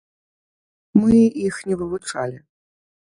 Мы іх не вывучалі.